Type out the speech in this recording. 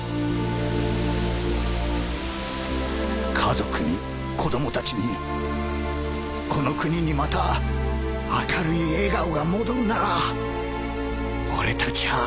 家族に子供たちにこの国にまた明るい笑顔が戻るなら俺たちは。